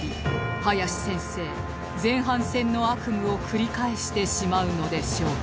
林先生前半戦の悪夢を繰り返してしまうのでしょうか